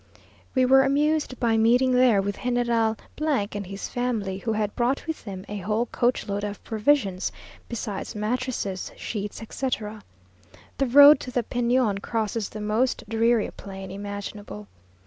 We were amused by meeting there with General and his family, who had brought with them a whole coachload of provisions, besides mattresses, sheets, etc. The road to the Peñon crosses the most dreary plain imaginable.